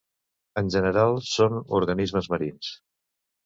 En general, són organismes marins.